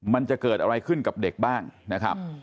มันจะเกิดอะไรขึ้นกับเด็กบ้างนะครับ